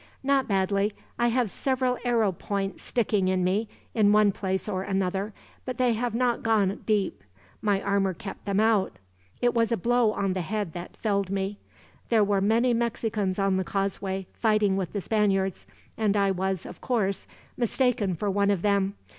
"Not badly. I have several arrow points sticking in me, in one place or another; but they have not gone deep. My armor kept them out. It was a blow on the head that felled me. There were many Mexicans on the causeway, fighting with the Spaniards; and I was, of course, mistaken for one of them.